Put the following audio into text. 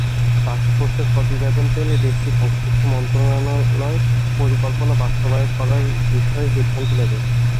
টাস্কফোর্সের প্রতিবেদন পেলে দেশটির সংশ্লিষ্ট মন্ত্রণালয় পরিকল্পনা বাস্তবায়ন করার বিষয়ে সিদ্ধান্ত নেবে।